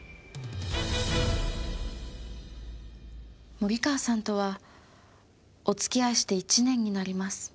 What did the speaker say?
森川さんとはお付き合いして１年になります。